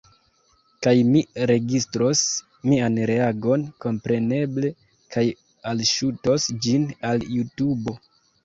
Kaj mi registros mian reagon, kompreneble, kaj alŝutos ĝin al Jutubo.